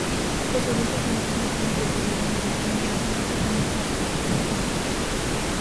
Los adultos emergen a fines del período invernal; inmediatamente, comienzan a reproducirse y desovar.